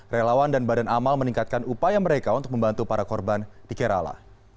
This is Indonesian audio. relawan dan badan amal meningkatkan upaya mereka untuk membantu para korban di kerala